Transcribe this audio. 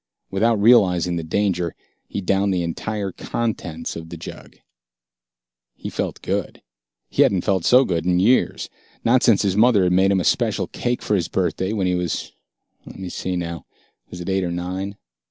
Without realizing the danger, he downed the entire contents of the jug. He felt good. He hadn't felt so good in years, not since his mother had made him a special cake for his birthday when he was let me see now, was it eight or nine?